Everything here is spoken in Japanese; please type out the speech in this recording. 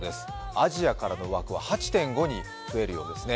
アジアからの枠は８．５に増えるようですね。